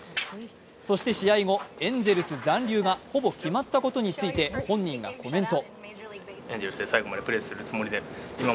そして試合後、エンゼルス残留がほぼ決まったことについて本人がコメント。